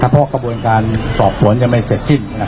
เพราะกระบวนการสอบสวนยังไม่เสร็จสิ้น